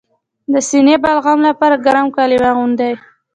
د سینه بغل لپاره ګرم کالي واغوندئ